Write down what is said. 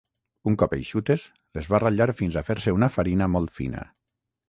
Un cop eixutes, les va ratllar fins a fer-ne una farina molt fina.